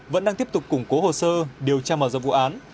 vẫn đang tiếp tục củng cố hồ sơ điều tra mở rộng vụ án